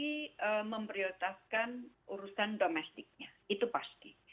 negara pasti memprioritaskan urusan domestiknya itu pasti